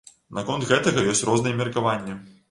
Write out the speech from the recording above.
Наконт гэтага ёсць розныя меркаванні.